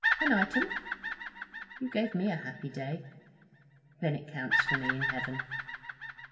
'An item.' 'You gave me a happy day.' 'Then it counts for me in heaven.'